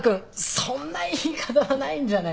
そんな言い方はないんじゃない。